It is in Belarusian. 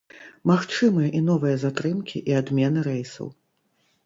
Магчымыя і новыя затрымкі і адмены рэйсаў.